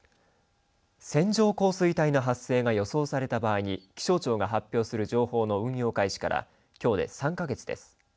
線状降水帯の発生が予想された場合に気象庁が発表する情報の運用開始からきょうで３か月です。